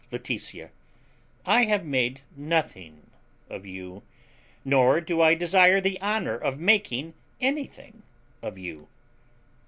Laetitia. I have made nothing of you; nor do I desire the honour of making anything of you.